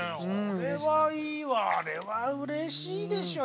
あれはいいわあれはうれしいでしょ。